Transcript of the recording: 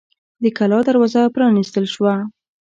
د کلا دروازه پرانیستل شوه.